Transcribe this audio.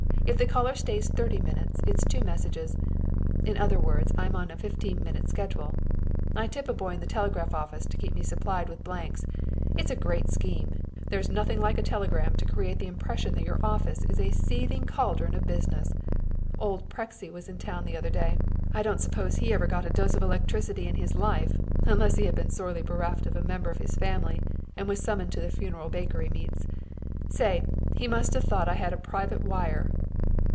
If the caller stays thirty minutes, it's two messages, in other words I'm on a fifteen minute schedule. I tip a boy in the telegraph office to keep me supplied with blanks. It's a great scheme. There's nothing like a telegram to create the impression that your office is a seething caldron of business. Old Prexy was in town the other day. I don't suppose he ever got a dose of electricity in his life unless he had been sorely bereft of a member of his family and was summoned to the funeral baked meats. Say, he must have thought I had a private wire!"